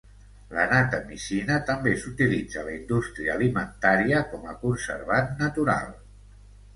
La natamicina també s'utilitza a la indústria alimentària com a conservant natural.